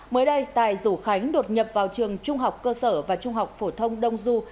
mới đây tài rủ khánh đột nhập vào trường trung học cơ sở và trung học phổ thông đông du